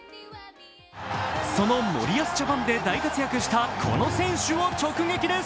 その森保ジャパンで大活躍したこの選手を直撃です。